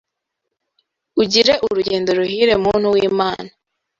Ugire urugendo ruhire muntu w’ Imana